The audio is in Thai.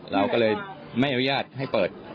เราก็เลยไม่อนุญาตให้เปิด